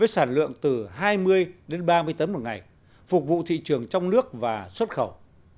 từ hai mươi đến ba mươi tấn một ngày phục vụ thị trường trong nước và xuất khẩu